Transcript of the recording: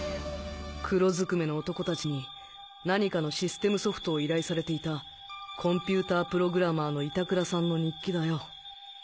黒ずくめの男達に何かのシステムソフトを依頼されていたコンピュータープログラマーの板倉さんの日記だよ！